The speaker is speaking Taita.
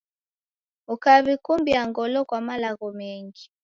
Ukaw'ikumbia ngolo kwa malagho mengi.